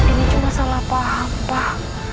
ini cuma salah paham pak